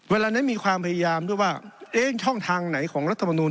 เวลานั้นมีความพยายามด้วยว่าเอ๊ะช่องทางไหนของรัฐมนุน